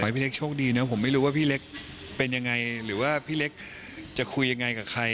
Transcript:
พี่เล็กโชคดีนะผมไม่รู้ว่าพี่เล็กเป็นยังไงหรือว่าพี่เล็กจะคุยยังไงกับใคร